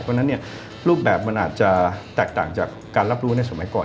เพราะฉะนั้นรูปแบบมันอาจจะแตกต่างจากการรับรู้ในสมัยก่อน